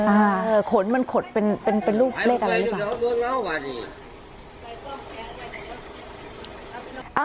อ่าขนมันขนเป็นรูปเลขอะไรหรือเปล่า